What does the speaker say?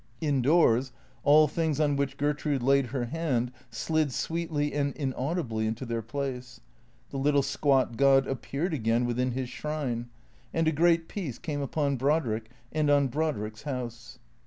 Indoors, all things on which Gertrude laid her hand slid sweetly and inau dibly into their place. The little squat god appeared again within his shrine; and a great peace came upon Brodrick and on Brod rick's house.